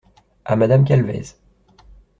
À Madame Calvez.